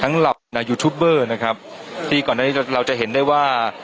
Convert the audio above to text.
เหล่านายูทูบเบอร์นะครับที่ก่อนหน้านี้เราจะเห็นได้ว่า